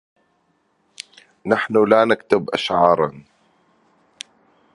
نحن لا نكتب أشعاراً،